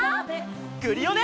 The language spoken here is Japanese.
クリオネ！